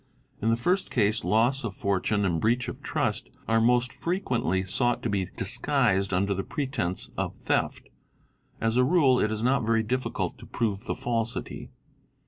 In the first case loss of fortune and breach of trust are most j ; frequently sought to be disguised under the pretence of theft ; as a rule it is not very difficult to prove the falsity.